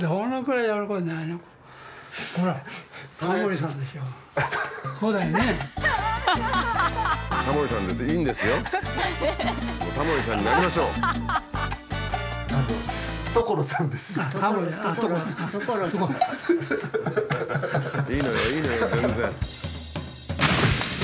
いいのよいいのよ全然。